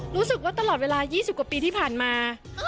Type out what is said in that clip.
รู้สึกว่าตลอดเวลา๒๐กว่าปีที่ผ่านมา